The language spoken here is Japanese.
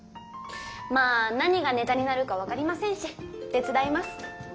まあ何がネタになるか分かりませんし手伝います。